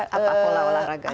apa pola olahraganya